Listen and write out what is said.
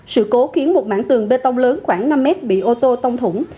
sự cố khiến một mảng tường bê tông lớn khoảng năm mét bị ô tô tông thủng